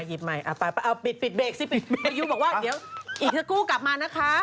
ยิบใหม่ไปปิดเบรกซิพี่ยูบอกว่าเดี๋ยวอีกสักครู่กลับมานะคะ